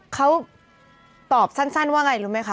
เขาตอบสั้นว่าไงรู้ไหมคะ